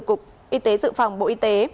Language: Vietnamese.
cục y tế dự phòng bộ y tế